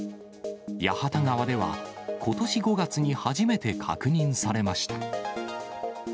八幡川では、ことし５月に初めて確認されました。